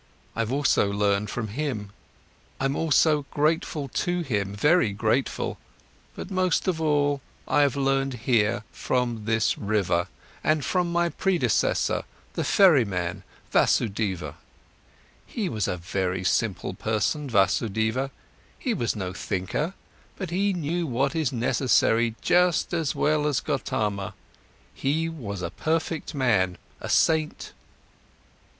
I've also learned from him, I'm also grateful to him, very grateful. But most of all, I have learned here from this river and from my predecessor, the ferryman Vasudeva. He was a very simple person, Vasudeva, he was no thinker, but he knew what is necessary just as well as Gotama, he was a perfect man, a saint."